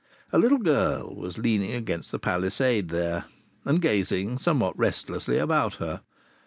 A little girl was leaning against the palisade there, and gazing somewhat restlessly about her.